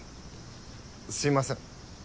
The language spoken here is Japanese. すみません。